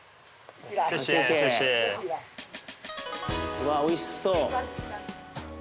うわおいしそう。